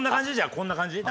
こんな感じ？